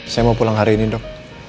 saya mau pulang hari ini dok